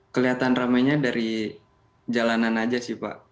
kelihatan ramainya dari jalanan aja sih pak